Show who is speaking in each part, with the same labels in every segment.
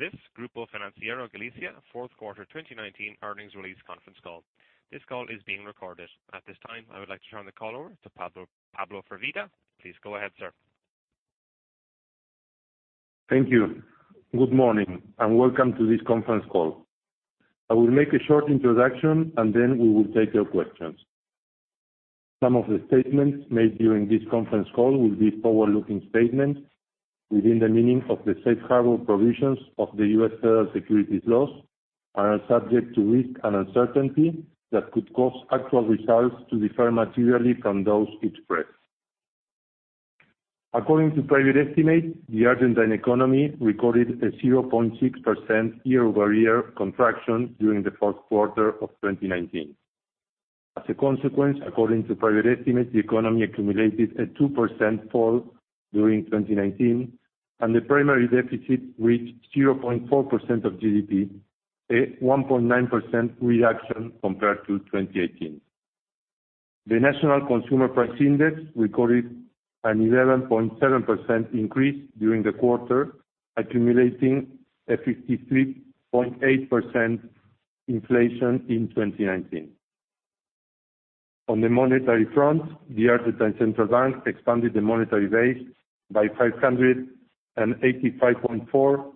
Speaker 1: Welcome to this Grupo Financiero Galicia Q4 2019 earnings release conference call. This call is being recorded. At this time, I would like to turn the call over to Pablo Firvida. Please go ahead, sir.
Speaker 2: Thank you. Good morning, welcome to this conference call. I will make a short introduction, we will take your questions. Some of the statements made during this conference call will be forward-looking statements within the meaning of the safe harbor provisions of the U.S. Federal Securities Laws and are subject to risk and uncertainty that could cause actual results to differ materially from those expressed. According to private estimate, the Argentine economy recorded a 0.6% year-over-year contraction during the Q4 of 2019. As a consequence, according to private estimate, the economy accumulated a 2% fall during 2019, the primary deficit reached 0.4% of GDP, a 1.9% reduction compared to 2018. The National Consumer Price Index recorded an 11.7% increase during the quarter, accumulating a 53.8% inflation in 2019. On the monetary front, the Argentine Central Bank expanded the monetary base by 585.4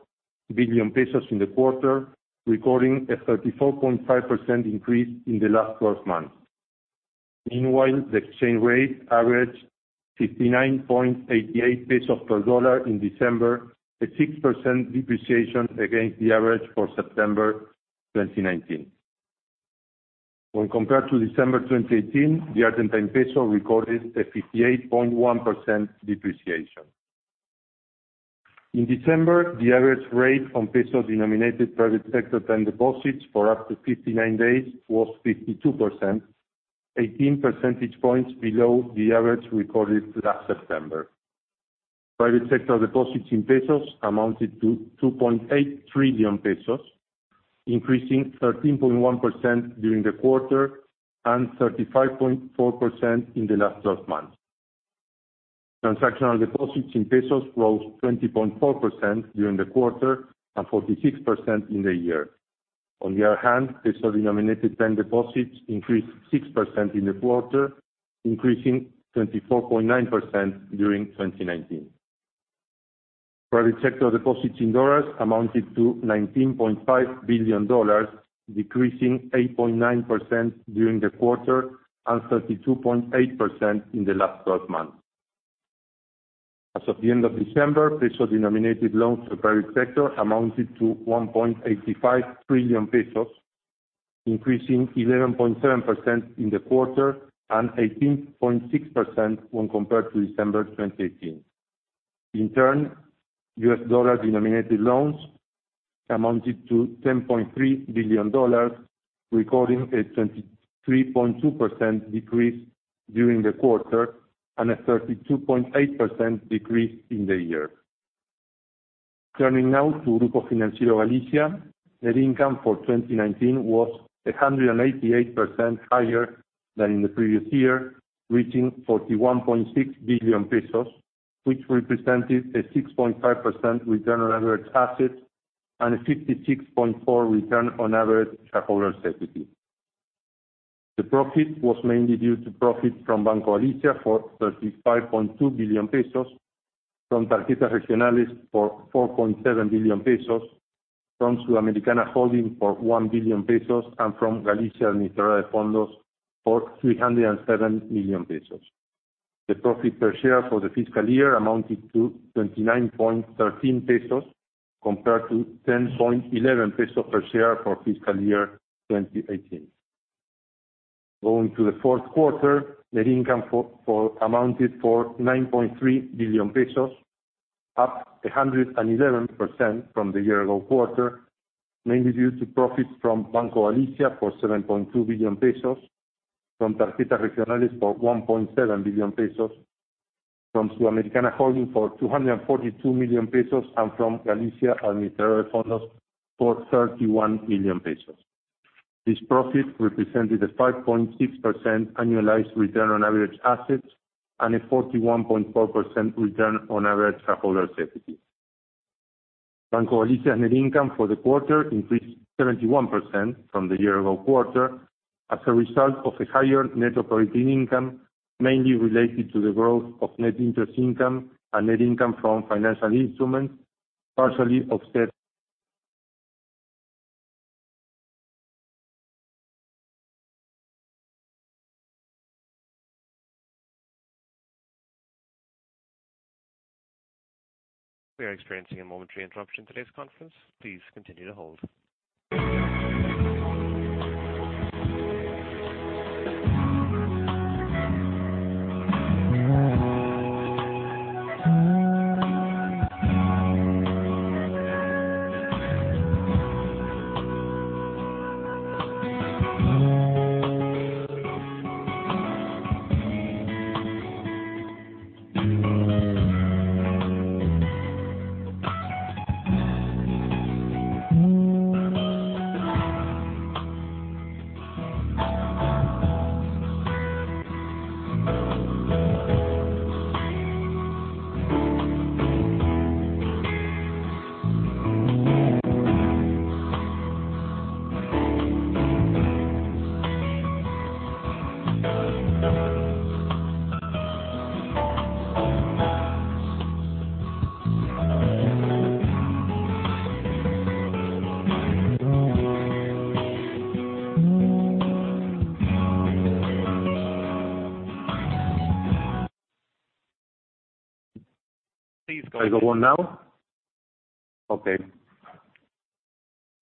Speaker 2: billion pesos in the quarter, recording a 34.5% increase in the last 12 months. Meanwhile, the exchange rate averaged 59.88 pesos per USD in December, a 6% depreciation against the average for September 2019. When compared to December 2018, the Argentine peso recorded a 58.1% depreciation. In December, the average rate on ARS-denominated private sector time deposits for up to 59 days was 52%, 18 percentage points below the average recorded last September. Private sector deposits in ARS amounted to 2.8 trillion pesos, increasing 13.1% during the quarter and 35.4% in the last 12 months. Transactional deposits in ARS rose 20.4% during the quarter and 46% in the year. On the other hand, ARS-denominated time deposits increased 6% in the quarter, increasing 24.9% during 2019. Private sector deposits in dollars amounted to $19.5 billion, decreasing 8.9% during the quarter and 32.8% in the last 12 months. As of the end of December, peso-denominated loans to the private sector amounted to 1.85 trillion pesos, increasing 11.7% in the quarter and 18.6% when compared to December 2018. In turn, US dollar-denominated loans amounted to $10.3 billion, recording a 23.2% decrease during the quarter and a 32.8% decrease in the year. Turning now to Grupo Financiero Galicia, net income for 2019 was 188% higher than in the previous year, reaching 41.6 billion pesos, which represented a 6.5% return on average assets and a 56.4% return on average shareholder's equity. The profit was mainly due to profit from Banco Galicia for 35.2 billion pesos, from Tarjetas Regionales for 4.7 billion pesos, from Sudamericana Holding for 1 billion pesos, and from Galicia Administradora de Fondos for 307 million pesos. The profit per share for the fiscal year amounted to 29.13 pesos, compared to 10.11 pesos per share for fiscal year 2018. Going to the Q4, net income amounted for 9.3 billion pesos, up 111% from the year-ago quarter, mainly due to profits from Banco Galicia for 7.2 billion pesos, from Tarjetas Regionales for 1.7 billion pesos, from Sudamericana Holding for 242 million pesos, and from Galicia Administradora de Fondos for 31 million pesos. This profit represented a 5.6% annualized return on average assets and a 41.4% return on average shareholder's equity. Banco Galicia net income for the quarter increased 71% from the year-ago quarter as a result of a higher net operating income, mainly related to the growth of net interest income and net income from financial instruments, partially offset.
Speaker 1: We are experiencing a momentary interruption in today's conference. Please continue to hold.
Speaker 2: [inaudible] I go on now? Okay.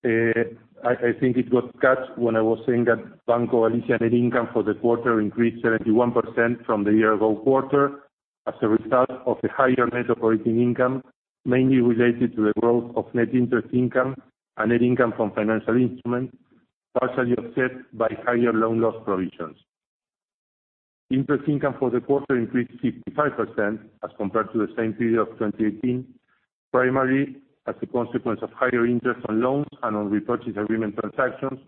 Speaker 2: I think it got cut when I was saying that Banco Galicia net income for the quarter increased 71% from the year-ago quarter as a result of a higher net operating income, mainly related to the growth of net interest income and net income from financial instruments, partially offset by higher loan loss provisions. Interest income for the quarter increased 55% as compared to the same period of 2018, primarily as a consequence of higher interest on loans and on repurchase agreement transactions,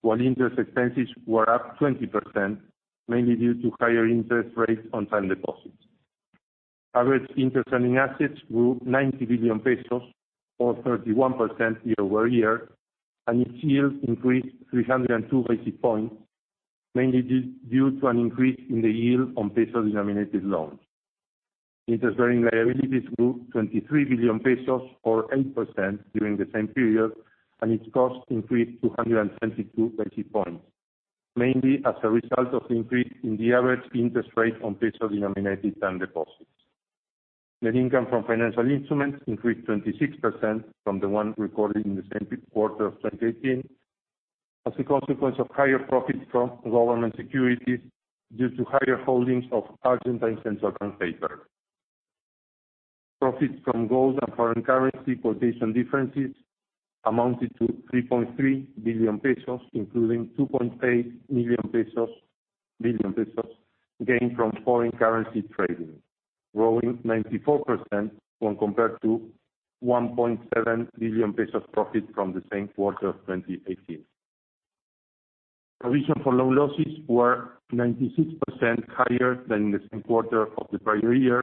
Speaker 2: while interest expenses were up 20%, mainly due to higher interest rates on time deposits. Average interest earning assets grew 90 billion pesos, or 31% year-over-year, and its yield increased 302 basis points, mainly due to an increase in the yield on peso-denominated loans. Interest-earning liabilities grew 23 billion pesos, or 8%, during the same period. Its cost increased 272 basis points, mainly as a result of increase in the average interest rate on peso-denominated time deposits. Net income from financial instruments increased 26% from the one recorded in the same quarter of 2018, as a consequence of higher profits from government securities due to higher holdings of Argentine Central Bank paper. Profits from gold and foreign currency quotation differences amounted to 3.3 billion pesos, including 2.8 million pesos gained from foreign currency trading, growing 94% when compared to 1.7 billion pesos profit from the same quarter of 2018. Provision for loan losses were 96% higher than in the same quarter of the prior year,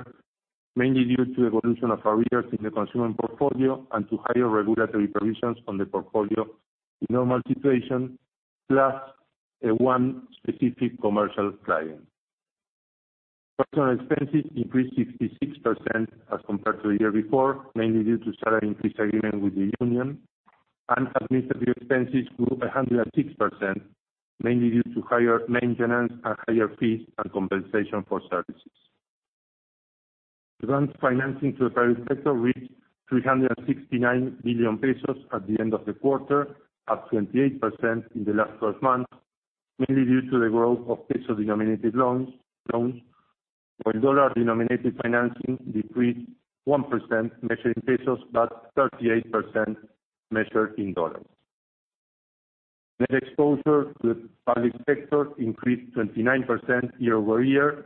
Speaker 2: mainly due to evolution of arrears in the consumer portfolio and to higher regulatory provisions on the portfolio in normal situation, plus one specific commercial client. Personnel expenses increased 66% as compared to the year before, mainly due to salary increase agreement with the union, and administrative expenses grew 106%, mainly due to higher maintenance and higher fees and compensation for services. The bank's financing to the private sector reached 369 billion pesos at the end of the quarter, up 28% in the last 12 months, mainly due to the growth of peso-denominated loans, while dollar-denominated financing decreased 1% measured in ARS, but 38% measured in USD. Net exposure to the public sector increased 29% year-over-year,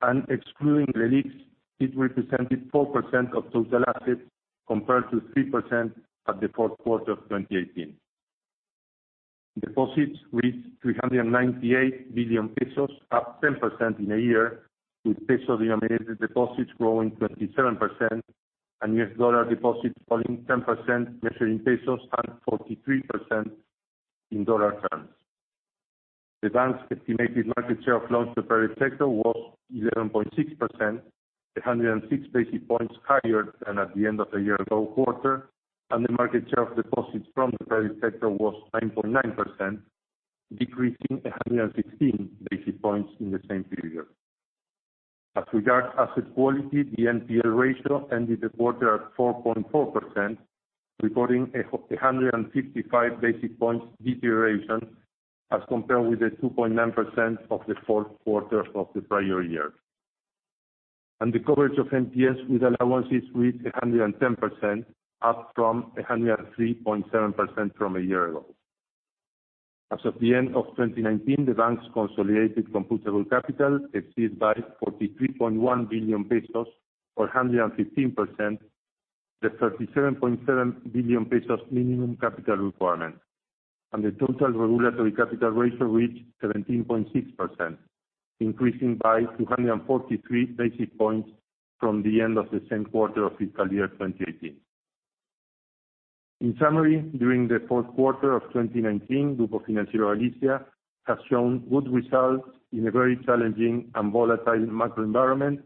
Speaker 2: and excluding reliefs, it represented 4% of total assets, compared to 3% at the Q4 of 2018. Deposits reached 398 billion pesos, up 10% in a year, with peso-denominated deposits growing 27%, and U.S. dollar deposits falling 10% measured in ARS and 43% in dollar terms. The bank's estimated market share of loans to private sector was 11.6%, 106 basis points higher than at the end of the year-ago quarter, and the market share of deposits from the private sector was 9.9%, decreasing 116 basis points in the same period. As regards asset quality, the NPL ratio ended the quarter at 4.4%, recording a 155 basis points deterioration as compared with the 2.9% of the Q4 of the prior year. The coverage of NPLs with allowances reached 110%, up from 103.7% from a year ago. As of the end of 2019, the bank's consolidated computable capital exceeds by 43.1 billion pesos, or 115%, the 37.7 billion pesos minimum capital requirement, and the total regulatory capital ratio reached 17.6%, increasing by 243 basis points from the end of the same quarter of fiscal year 2018. In summary, during the Q4 of 2019, Grupo Financiero Galicia has shown good results in a very challenging and volatile macro environment,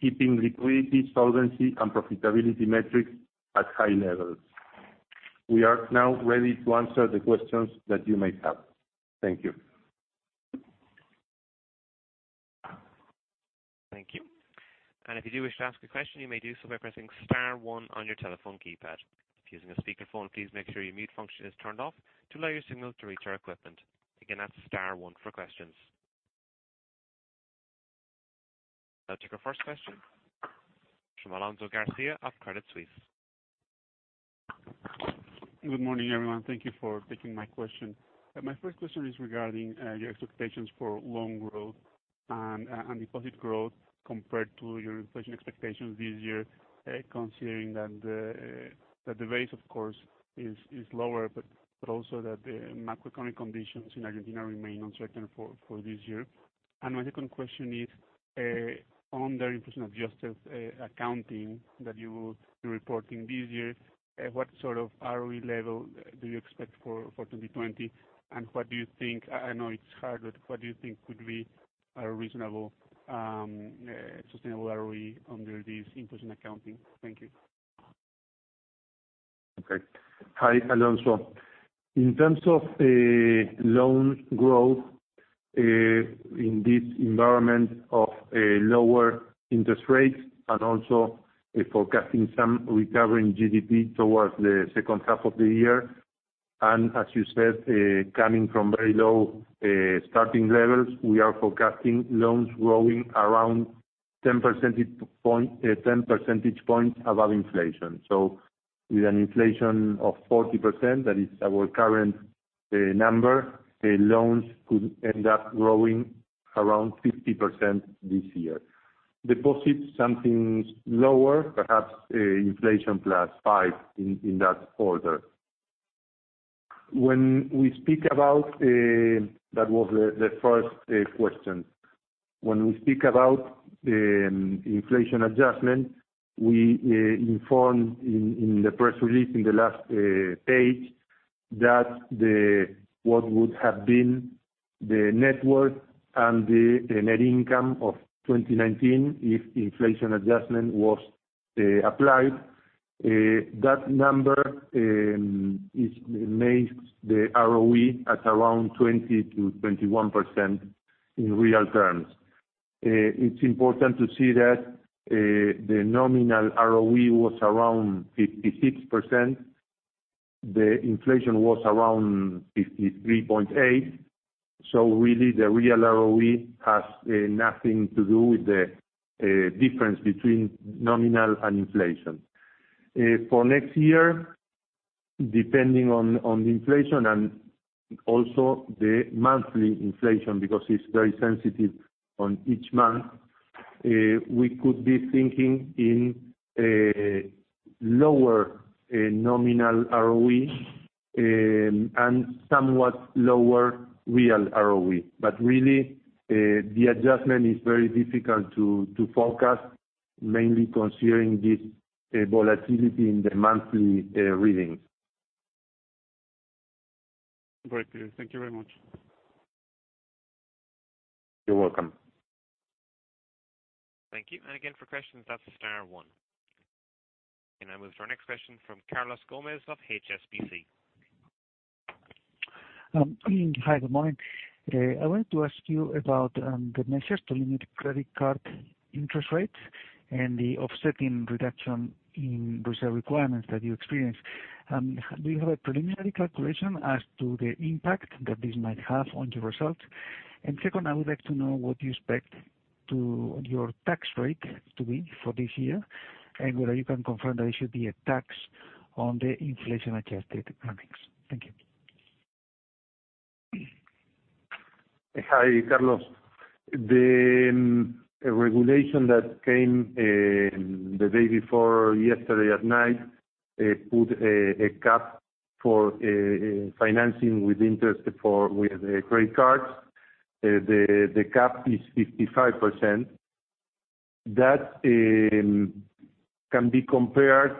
Speaker 2: keeping liquidity, solvency and profitability metrics at high levels. We are now ready to answer the questions that you may have. Thank you.
Speaker 1: Thank you. If you do wish to ask a question, you may do so by pressing star one on your telephone keypad. If using a speakerphone, please make sure your mute function is turned off to allow your signal to reach our equipment. Again, that's star one for questions. I'll take our first question, from Alonso Garcia of Credit Suisse.
Speaker 3: Good morning, everyone. Thank you for taking my question. My first question is regarding your expectations for loan growth and deposit growth compared to your inflation expectations this year, considering that the base, of course, is lower, but also that the macroeconomic conditions in Argentina remain uncertain for this year. My second question is on the inflation-adjusted accounting that you will be reporting this year, what sort of ROE level do you expect for 2020? What do you think, I know it's hard, but what do you think could be a reasonable, sustainable ROE under this inflation accounting? Thank you.
Speaker 2: Hi, Alonso. In terms of loan growth, in this environment of lower interest rates, and also forecasting some recovery in GDP towards the H2 of the year, and as you said, coming from very low starting levels, we are forecasting loans growing around 10 percentage points above inflation. With an inflation of 40%, that is our current number, loans could end up growing around 50% this year. Deposits, something lower, perhaps inflation plus five, in that order. That was the first question. When we speak about the inflation adjustment, we informed in the press release in the last page that what would have been the net worth and the net income of 2019 if inflation adjustment was applied. That number makes the ROE at around 20%-21% in real terms. It's important to see that the nominal ROE was around 56%. The inflation was around 53.8%. Really the real ROE has nothing to do with the difference between nominal and inflation. For next year, depending on the inflation and also the monthly inflation, because it is very sensitive on each month, we could be thinking in a lower nominal ROE, and somewhat lower real ROE. Really, the adjustment is very difficult to forecast, mainly considering this volatility in the monthly readings.
Speaker 3: Great. Thank you very much.
Speaker 2: You're welcome.
Speaker 1: Thank you. Again, for questions, that's star one. I move to our next question from Carlos Gomez of HSBC.
Speaker 4: Hi, good morning. I wanted to ask you about the measures to limit credit card interest rates and the offsetting reduction in reserve requirements that you experience. Do you have a preliminary calculation as to the impact that this might have on your results? Second, I would like to know what you expect your tax rate to be for this year, and whether you can confirm there should be a tax on the inflation-adjusted earnings. Thank you.
Speaker 2: Hi, Carlos. The regulation that came the day before yesterday at night put a cap for financing with interest with credit cards. The cap is 55%. That can be compared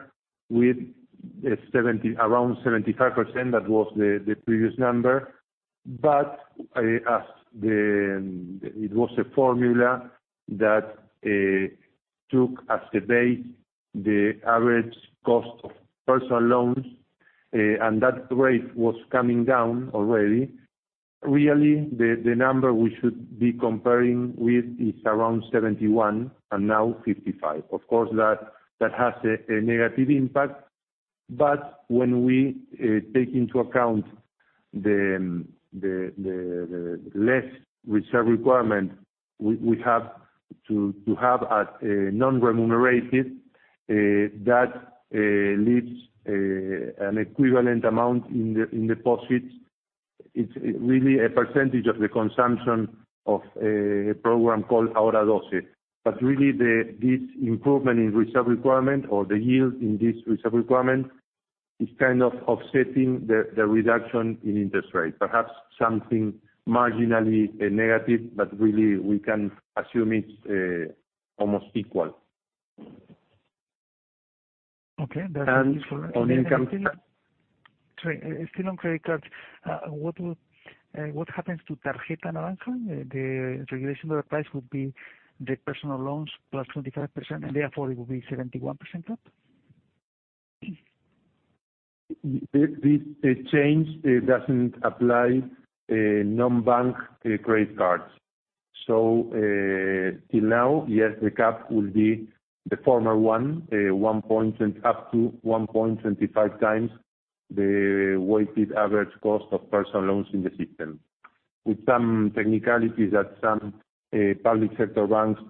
Speaker 2: with around 75%, that was the previous number. It was a formula that took as the base the average cost of personal loans, and that rate was coming down already. Really, the number we should be comparing with is around 71, and now 55. Of course, that has a negative impact, but when we take into account the less reserve requirement we have to have as non-remunerated, that leaves an equivalent amount in deposits. It's really a percentage of the consumption of a program called Ahora [12]. Really, this improvement in reserve requirement or the yield in this reserve requirement is kind of offsetting the reduction in interest rates. Perhaps something marginally negative, but really we can assume it's almost equal.
Speaker 4: Okay, that's useful.
Speaker 2: On income tax.
Speaker 4: Sorry, still on credit cards. What happens to Tarjeta Naranja? The regulation of that price would be the personal loans plus 25%, and therefore it will be 71% cap?
Speaker 2: The change doesn't apply non-bank credit cards. Till now, yes, the cap will be the former one, up to 1.25 times the weighted average cost of personal loans in the system, with some technicalities that some public sector banks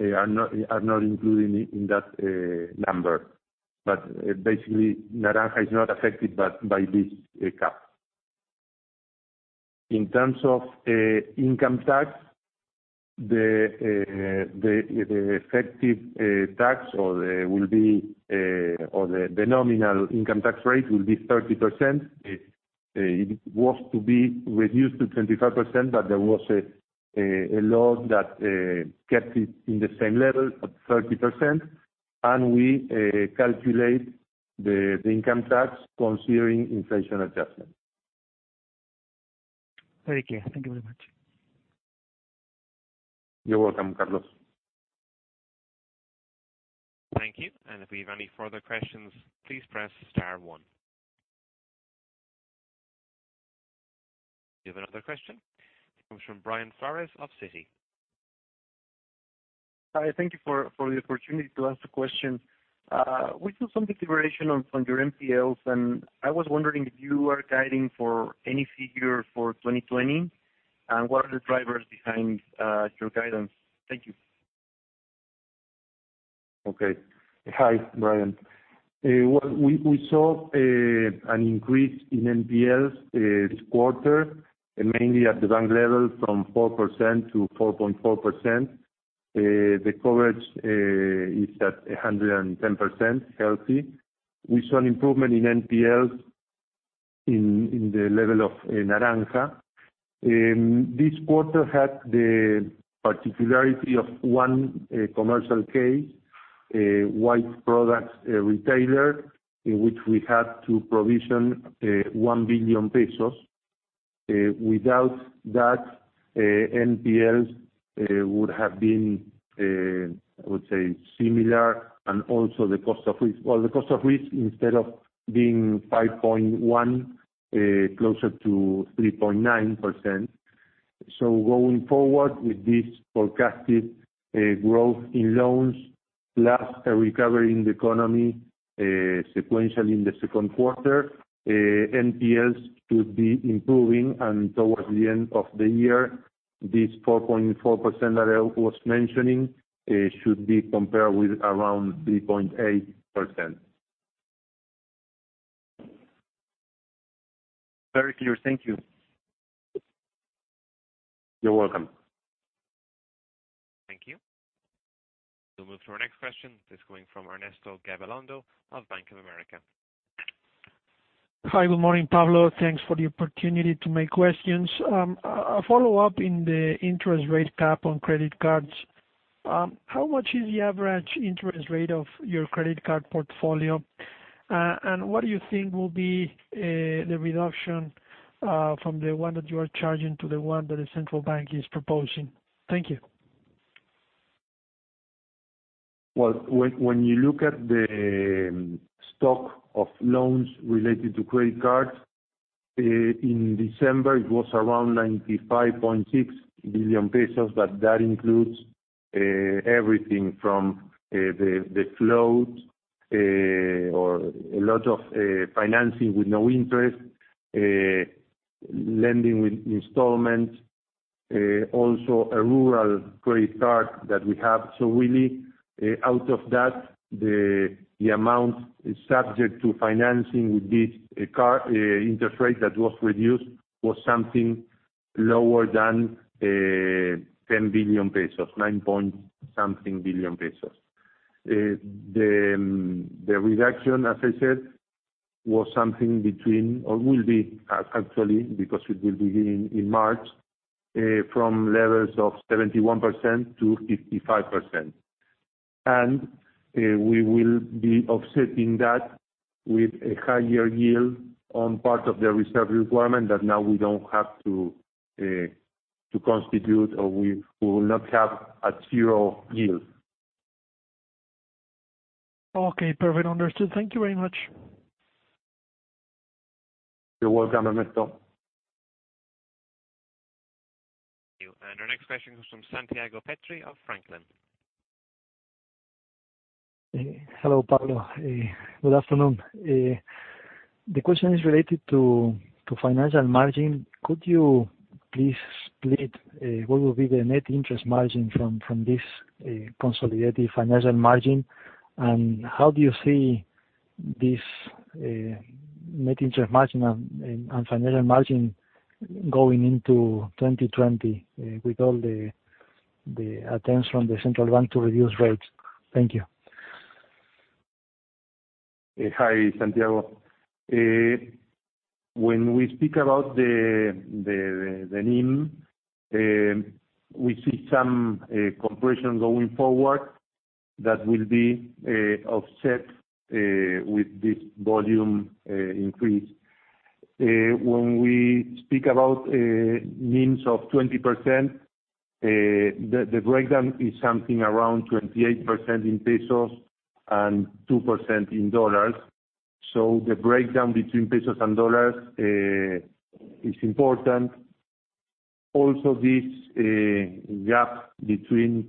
Speaker 2: are not included in that number. Basically, Naranja is not affected by this cap. In terms of income tax, the effective tax, or the nominal income tax rate, will be 30%. It was to be reduced to 25%, but there was a law that kept it in the same level of 30%, and we calculate the income tax considering inflation adjustment.
Speaker 4: Very clear. Thank you very much.
Speaker 2: You're welcome, Carlos.
Speaker 1: Thank you. If we have any further questions, please press star one. We have another question. It comes from Brian Flores of Citi.
Speaker 5: Hi. Thank you for the opportunity to ask a question. We do some deliberation on your NPLs. I was wondering if you are guiding for any figure for 2020, and what are the drivers behind your guidance? Thank you.
Speaker 2: Okay. Hi, Brian. We saw an increase in NPLs this quarter, mainly at the bank level from 4% to 4.4%. The coverage is at 110% healthy. We saw an improvement in NPLs in the level of Naranja. This quarter had the particularity of 1 commercial case, wide products retailer, in which we had to provision 1 billion pesos. Without that, NPLs would have been, I would say similar, and also the cost of risk. Well, the cost of risk, instead of being 5.1%, closer to 3.9%. Going forward with this forecasted growth in loans, plus a recovery in the economy sequentially in the Q2, NPLs should be improving, and towards the end of the year, this 4.4% that I was mentioning should be compared with around 3.8%.
Speaker 5: Very clear. Thank you.
Speaker 2: You're welcome.
Speaker 1: Thank you. We'll move to our next question. This is coming from Ernesto Gabilondo of Bank of America.
Speaker 6: Hi. Good morning, Pablo. Thanks for the opportunity to make questions. A follow-up in the interest rate cap on credit cards. How much is the average interest rate of your credit card portfolio? What do you think will be the reduction from the one that you are charging to the one that the Central Bank is proposing? Thank you.
Speaker 2: Well, when you look at the stock of loans related to credit cards, in December, it was around 95.6 billion pesos, that includes everything from the float or a lot of financing with no interest, lending with installment, also a rural credit card that we have. Really, out of that, the amount subject to financing with this interest rate that was reduced was something lower than 10 billion pesos, ARS 9-point-something billion. The reduction, as I said, was something between or will be, actually, because it will be in March, from levels of 71%-55%. We will be offsetting that with a higher yield on part of the reserve requirement that now we don't have to constitute or we will not have a zero yield.
Speaker 6: Okay, perfect. Understood. Thank you very much.
Speaker 2: You're welcome, Ernesto.
Speaker 1: Our next question comes from Santiago Petri of Franklin.
Speaker 7: Hello, Pablo. Good afternoon. The question is related to financial margin. Could you please split what will be the net interest margin from this consolidated financial margin? How do you see this net interest margin and financial margin going into 2020 with all the attempts from the Central Bank to reduce rates? Thank you.
Speaker 2: Hi, Santiago. When we speak about the NIM, we see some compression going forward that will be offset with this volume increase. When we speak about NIMs of 20%, the breakdown is something around 28% in pesos and 2% in dollars. The breakdown between pesos and dollars is important. This gap between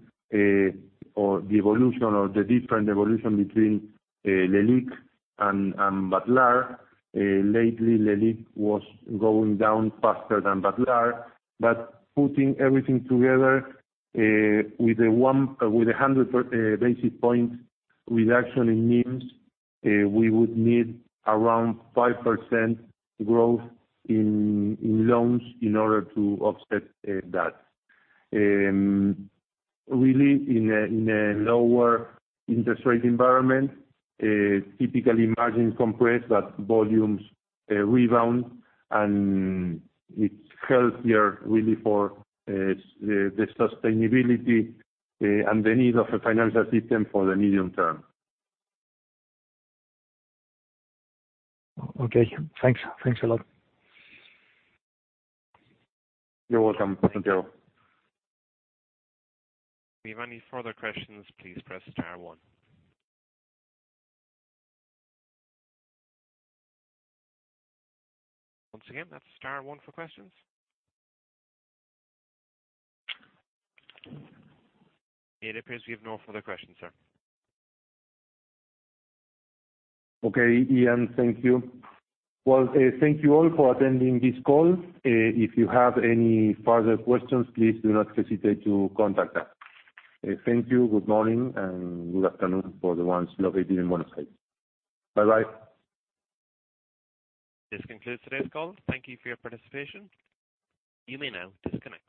Speaker 2: or the evolution or the different evolution between LELIQ and BADLAR. Lately, LELIQ was going down faster than BADLAR. Putting everything together with 100 basis points reduction in NIMs, we would need around 5% growth in loans in order to offset that. Really in a lower interest rate environment, typically margin compress, but volumes rebound, and it's healthier, really for the sustainability and the need of a financial system for the medium term.
Speaker 7: Okay. Thanks. Thanks a lot.
Speaker 2: You're welcome, Santiago.
Speaker 1: If you have any further questions, please press star one. Once again, that's star one for questions. It appears we have no further questions, sir.
Speaker 2: Okay, Ian, thank you. Well, thank you all for attending this call. If you have any further questions, please do not hesitate to contact us. Thank you. Good morning, and good afternoon for the ones located in Buenos Aires. Bye-bye.
Speaker 1: This concludes today's call. Thank you for your participation. You may now disconnect.